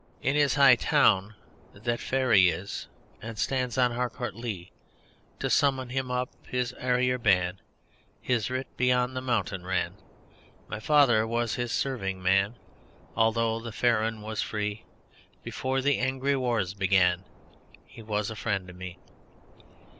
In his High Town that Faery is And stands on Harcourt Lea; To summon him up his arrier ban His writ beyond the mountain ran. My father was his serving man; Although the farm was free. Before the angry wars began He was a friend to me!